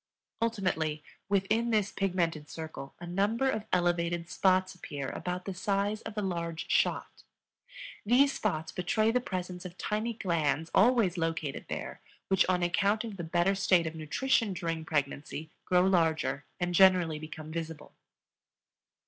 Ultimately, within this pigmented circle a number of elevated spots appear about the size of a large shot. These spots betray the presence of tiny glands always located there which, on account of the better state of nutrition during pregnancy, grow larger, and generally become visible.